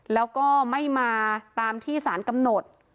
แล้วก็ไม่มาตามที่สารกำหนด